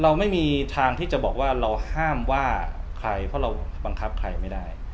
เราไม่มีทางที่จะบอกว่าเราห้ามว่าใครเพราะเราบังคับใครไม่ได้